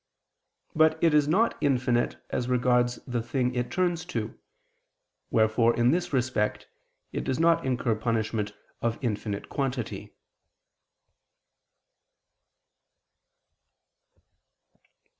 But it is not infinite as regards the thing it turns to; wherefore, in this respect, it does not incur punishment of infinite quantity.